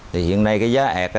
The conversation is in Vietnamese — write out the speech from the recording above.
thì hiện nay cái giá ẹt